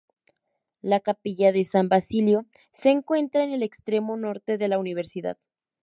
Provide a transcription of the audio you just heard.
La Capilla de San Basilio se encuentra en el extremo norte de la Universidad.